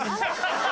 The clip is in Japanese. ハハハ！